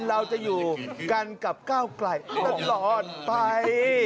เราจะอยู่กันกับก้าวไกลตลอดไป